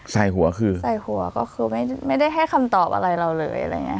ใส่หัวคือใส่หัวก็คือไม่ไม่ได้ให้คำตอบอะไรเราเลย